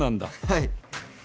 はい。